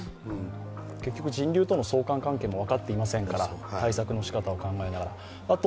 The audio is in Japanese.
結局、人流との相関関係も分かっていませんから、対策の仕方を考えながら。